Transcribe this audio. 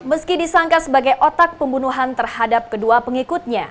meski disangka sebagai otak pembunuhan terhadap kedua pengikutnya